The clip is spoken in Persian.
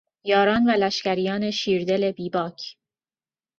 یاران و لشکریان شیردل بیباک